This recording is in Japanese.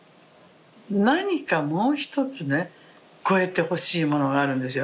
何かもうひとつね超えてほしいものがあるんですよ